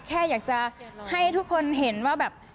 แค่อยากจะให้ทุกคนเห็นว่าแบบ